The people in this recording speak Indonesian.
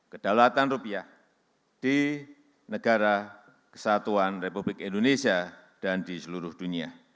kedaulatan rupiah di negara kesatuan republik indonesia dan di seluruh dunia